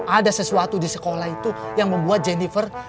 ada sesuatu di sekolah itu yang membuat jennifer